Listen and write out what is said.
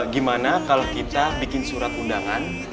gimana kalau kita bikin surat undangan